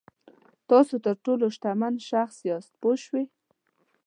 تاسو تر ټولو شتمن شخص یاست پوه شوې!.